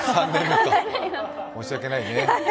申し訳ないね。